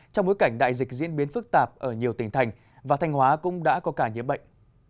trong bối cảnh đại dịch diễn biến phức tạp ở nhiều tỉnh thành và thanh hóa cũng đã có cả nhiễm bệnh